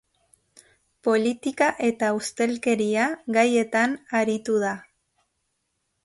Politika eta ustelkeria gaietan aritu da.